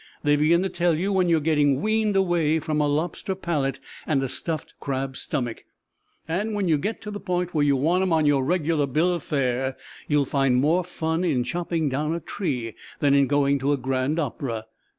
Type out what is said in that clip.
They begin to tell you when you're getting weaned away from a lobster palate and a stuffed crab stomach, and when you get to the point where you want 'em on your regular bill of fare you'll find more fun in chopping down a tree than in going to a grand opera.